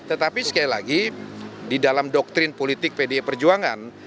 tetapi sekali lagi di dalam doktrin politik pdi perjuangan